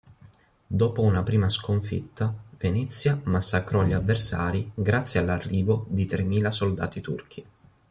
Dopo una prima sconfitta, Venezia massacrò gli avversari grazie all'arrivo di tremila soldati turchi.